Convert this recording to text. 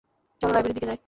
চলো, লাইব্রেরির দিকে যাই!